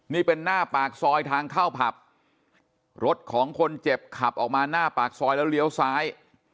นี่เป็นหน้าปากซอยทางเข้าผับรถของคนเจ็บขับออกมาหน้าปากซอยแล้วเลี้ยวซ้าย